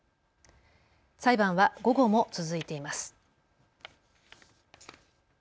裁判は午後も続いています。